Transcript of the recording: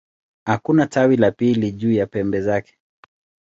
Hakuna tawi la pili juu ya pembe zake.